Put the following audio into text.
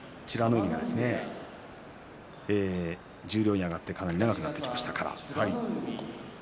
海が十両に上がってかなり長くなってきました。